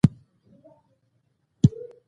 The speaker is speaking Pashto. د میرمنو کار د ټولنې برابرۍ بنسټ پیاوړی کوي.